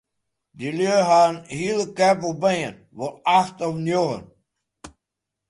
Dy lju ha in hiele keppel bern, wol acht of njoggen.